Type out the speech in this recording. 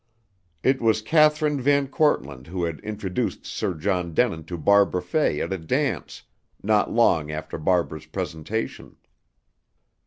It was Kathryn VanKortland who had introduced Sir John Denin to Barbara Fay at a dance, not long after Barbara's presentation.